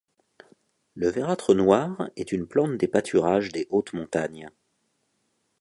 Le vératre noir est une plante des pâturages des hautes montagnes.